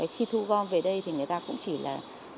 khi thu gom về đây thì người ta cũng chỉ là